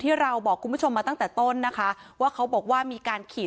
ที่เราบอกคุณผู้ชมมาตั้งแต่ต้นนะคะว่าเขาบอกว่ามีการขีด